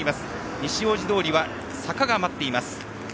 西大路通は坂が待っています。